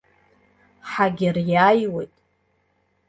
Ҳагьыриааиуеит.